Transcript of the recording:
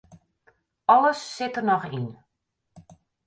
Alles sit der noch yn.